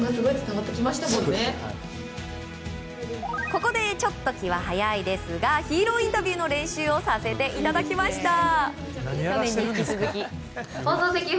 ここでちょっと気は早いですがヒーローインタビューの練習をさせていただきました。